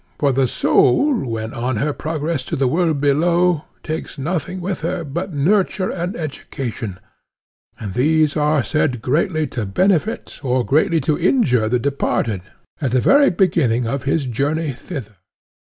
For the soul when on her progress to the world below takes nothing with her but nurture and education; and these are said greatly to benefit or greatly to injure the departed, at the very beginning of his journey thither.